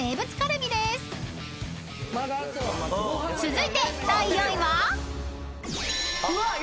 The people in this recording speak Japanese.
［続いて第４位は？］